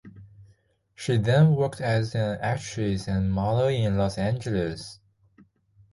She then worked as an actress and model in Los Angeles.